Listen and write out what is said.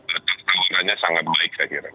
jadi tawarannya sangat baik saya kira